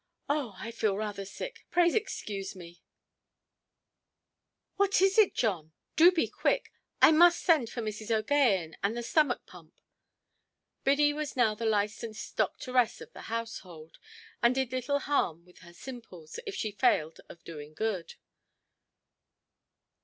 Oh, I feel rather sick; pray excuse me; ἄνω κάτα στρέφεται". "What is it, John? Do be quick. I must send for Mrs. OʼGaghan and the stomach–pump". Biddy was now the licensed doctoress of the household, and did little harm with her simples, if she failed of doing good.